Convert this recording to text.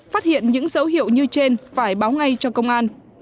phát hiện những dấu hiệu như trên phải báo ngay cho công an